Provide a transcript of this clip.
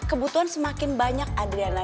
kebutuhan semakin banyak andriana